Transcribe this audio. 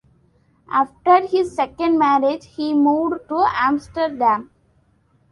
After his second marriage he moved to Amsterdam.